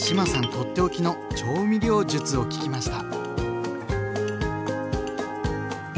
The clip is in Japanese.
取って置きの調味料術を聞きました。